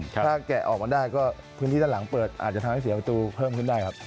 ถ้าแกะออกมาได้ก็พื้นที่ด้านหลังเปิดอาจจะทำให้เสียประตูเพิ่มขึ้นได้ครับ